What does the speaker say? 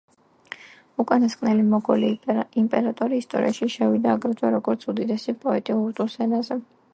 უკანასკნელი მოგოლი იმპერატორი ისტორიაში შევიდა, აგრეთვე, როგორც უდიდესი პოეტი ურდუს ენაზე.